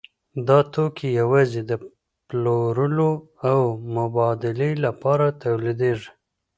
دا توکي یوازې د پلورلو او مبادلې لپاره تولیدېږي